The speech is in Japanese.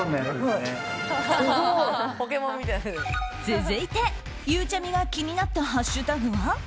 続いてゆうちゃみが気になったハッシュタグは？